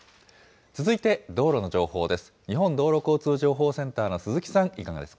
続いて道路の情報です。